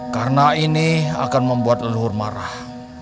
karena ini akan membuat leluhur marah